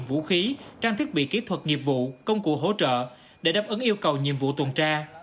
vũ khí trang thiết bị kỹ thuật nghiệp vụ công cụ hỗ trợ để đáp ứng yêu cầu nhiệm vụ tuần tra